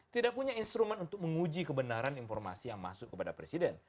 tidak punya instrumen untuk menguji kebenaran informasi yang masuk kepada presiden